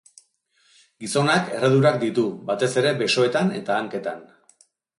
Gizonak erredurak ditu, batez ere besoetan eta hanketan.